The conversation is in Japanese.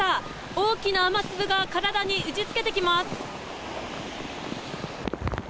大きな雨粒が体に打ち付けてきています。